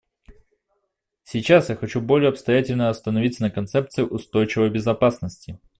Сейчас я хочу более обстоятельно остановиться на концепции "устойчивой безопасности".